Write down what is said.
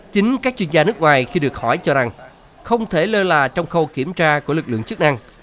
chính các chuyên gia nước ngoài khi được hỏi cho rằng không thể lơ là trong khâu kiểm tra của lực lượng chức năng